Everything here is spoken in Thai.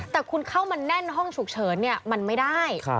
แต่คุณเข้ามาแน่นห้องฉุกเฉินมันไม่ได้